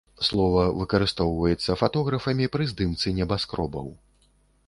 Слова выкарыстоўваецца фатографамі пры здымцы небаскробаў.